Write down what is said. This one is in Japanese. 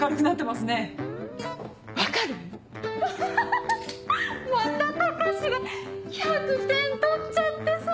また高志が１００点取っちゃってさ！